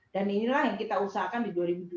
dan inilah yang kita usahakan di dua ribu dua puluh